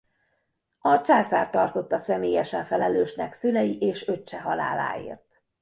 A császárt tartotta személyesen felelősnek szülei és öccse haláláért.